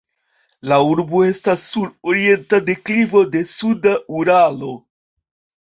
La urbo estas sur orienta deklivo de suda Uralo.